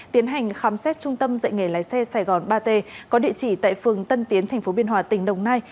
tiến hành khám xét trung tâm dạy nghề lái xe sài gòn ba t có địa chỉ tại phường tân tiến tp biên hòa tỉnh đồng nai